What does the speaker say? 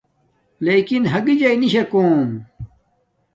لݵکن ہگݵ جݳئی نݵ شَکݸم.